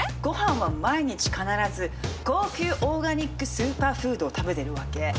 ご飯は毎日必ず高級オーガニックスーパーフードを食べてるわけ。